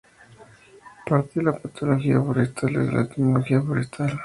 Parte de la patología forestal es la entomología forestal.